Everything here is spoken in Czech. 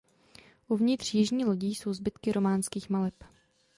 Uvnitř jižní lodi jsou zbytky románských maleb.